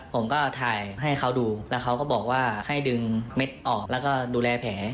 ผมก็ถ่ายให้เขาดูแล้วเขาก็บอกว่าให้ดึงเม็ดออกแล้วก็ดูแลแผล